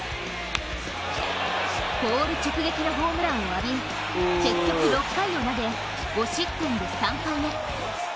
ポール直撃のホームランを浴び結局６回を投げ５失点で３敗目。